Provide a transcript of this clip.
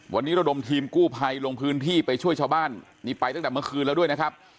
วันนี้ระดมทีมกู้ภัยลงพื้นที่ไปช่วยชาวบ้านนี่ไปตั้งแต่เมื่อคืนแล้วด้วยนะครับ